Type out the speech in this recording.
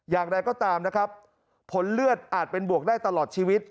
อย่างไรก็ตามนะครับผลเลือดอาจเป็นบวกได้ตลอดชีวิต